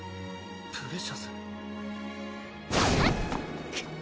プレシャスハッ！